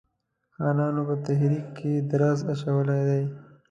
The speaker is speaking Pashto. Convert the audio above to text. خانانو په تحریک کې درز اچولی دی.